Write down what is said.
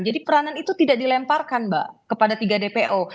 jadi peranan itu tidak dilemparkan mbak kepada tiga dpo